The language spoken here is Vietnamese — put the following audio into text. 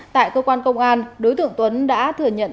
tại cơ quan công an đối tượng tuấn đã thừa nhận